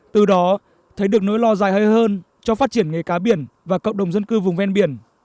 từ đó thấy được nỗi lo dài hơi hơn cho phát triển nghề cá biển và cộng đồng dân cư vùng ven biển